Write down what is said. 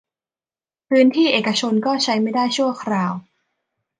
พื้นที่เอกชนก็ใช้ไม่ได้ชั่วคราว